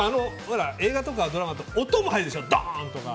映画とかドラマとかは音も入るでしょ、ドーン！とか。